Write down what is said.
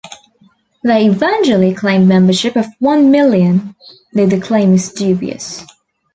They eventually claimed membership of one million, though the claim is dubious.